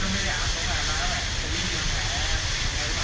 พาคุณผู้ชมไปดูพร้อมกันเลยค่ะ